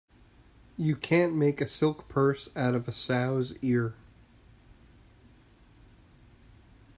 You can't make a silk purse out of a sow's ear.